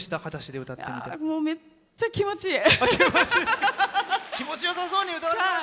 めっちゃ気持ちいい！